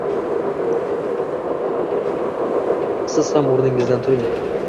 Еezda siz ham o‘rningizdan turingю